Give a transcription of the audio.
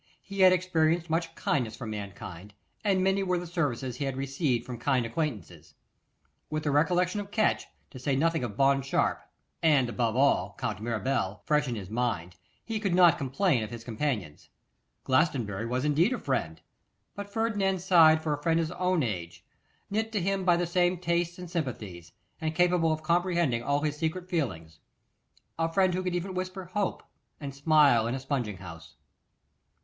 He had experienced much kindness from mankind, and many were the services he had received from kind acquaintances. With the recollection of Catch, to say nothing of Bond Sharpe, and above all, Count Mirabel, fresh in his mind, he could not complain of his companions. Glastonbury was indeed a friend, but Ferdinand sighed for a friend of his own age, knit to him by the same tastes and sympathies, and capable of comprehending all his secret feelings; a friend who could even whisper hope, and smile in a spunging house.